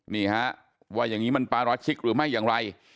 นี่ฮะว่าอย่างนี้มันปาราชิกหรือไม่อย่างไร